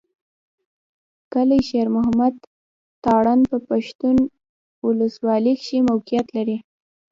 کلي شېر محمد تارڼ په پښتون اولسوالۍ کښې موقعيت لري.